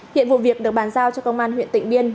hiện vụ việc được bàn giao cho công an huyện tịnh biên